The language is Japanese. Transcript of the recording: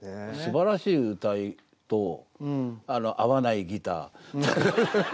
すばらしい歌とあの合わないギター。